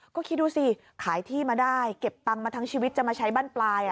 ก็คิดดูสิขายที่มาได้เก็บตังค์มาทั้งชีวิตจะมาใช้บ้านปลาย